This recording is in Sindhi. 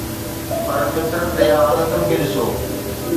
پر فطرت يا حالتن کي ڏسو.